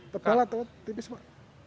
tebal atau tipis pak